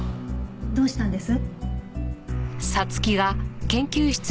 どうしたんです？